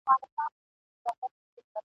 بس یو امید دی لا راته پاته ..